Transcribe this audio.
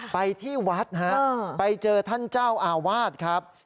ไปที่วัดฮะไปเจอท่านเจ้าอาวาสครับ